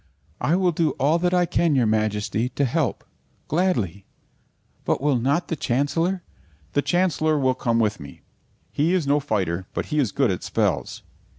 "I will do all that I can, your Majesty, to help gladly; but will not the Chancellor " "The Chancellor will come with me. He is no fighter, but he is good at spells."